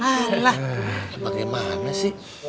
alah gimana sih